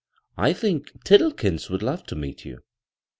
" I think Tiddlekins would love to meet you."